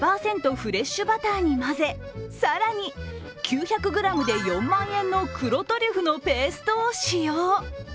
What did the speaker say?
フレッシュバターに混ぜ更に９００ｇで４万円の黒トリュフのペーストを使用。